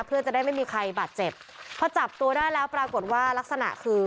เพื่อจะได้ไม่มีใครบาดเจ็บพอจับตัวได้แล้วปรากฏว่ารักษณะคือ